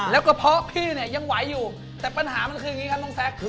แล้วก็เพราะพี่เนี่ยยังไหวอยู่แต่ปัญหามันคืออย่างนี้ครับน้องแซค